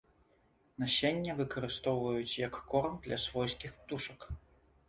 Насенне выкарыстоўваюць як корм для свойскіх птушак.